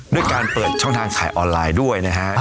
ด้วยการเปิดช่องทางขายออนไลน์ด้วยนะฮะ